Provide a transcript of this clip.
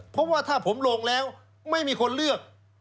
เพราะว่าถ้าผมลงแล้วไม่มีคนเลือก